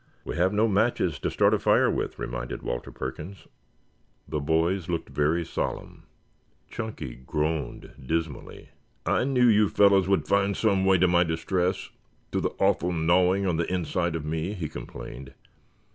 "We have no matches to start a fire with," reminded Walter Perkins. The boys looked very solemn. Chunky groaned dismally. "I knew you fellows would find some way to my distress to the awful gnawing on the inside of me," he complained.